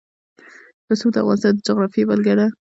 رسوب د افغانستان د جغرافیې بېلګه ده.